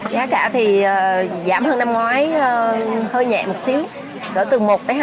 giá cả thì giảm hơn năm ngoái hơi nhẹ một xíu gỡ từ một hai